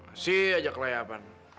masih ajak layapan